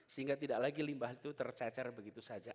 sehingga tidak lagi limbah itu tercecer begitu saja